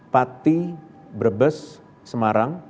pati brebes semarang